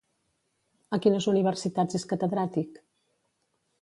A quines universitats és catedràtic?